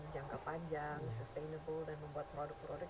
jangka panjang sustainable dan membuat produk produk